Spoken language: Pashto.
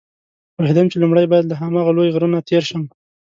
پوهېدم چې لومړی باید له هماغه لوی غره نه تېر شم.